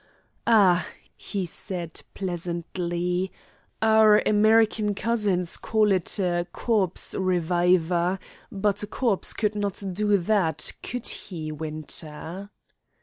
"Ah," he said pleasantly, "our American cousins call it a 'corpse reviver,' but a corpse could not do that, could he, Winter?"